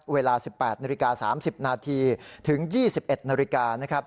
เวลา๑๘น๓๐นถึง๒๑น